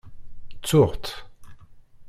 Ttuɣ-tt.